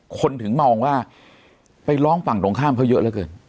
คนถึงมองว่าไปร้องฝั่งตรงข้ามเขาเยอะเหลือเกิน